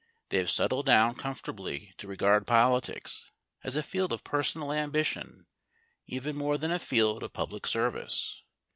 They have settled down comfortably to regard politics as a field of personal ambition even more than a field of public service.